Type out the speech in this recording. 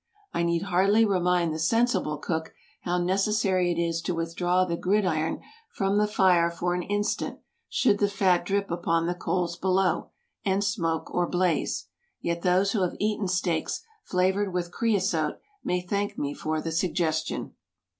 I need hardly remind the sensible cook how necessary it is to withdraw the gridiron from the fire for an instant, should the fat drip upon the coals below, and smoke or blaze. Yet those who have eaten steaks flavored with creosote may thank me for the suggestion.